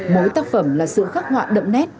mỗi tác phẩm là sự khắc họa đậm nét